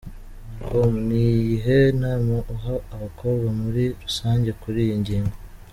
com:Ni iyihe nama uha abakobwa muri rusange kuri iyi ngingo?.